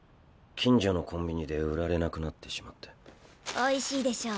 近所のコンビニで売られなくなってしまっておいしいでしょ